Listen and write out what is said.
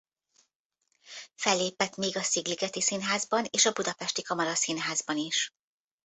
Fellépett még a Szigligeti Színházban és a Budapesti Kamaraszínházban is.